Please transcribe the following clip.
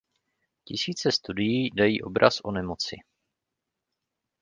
Tisíce studií dají obraz o nemoci.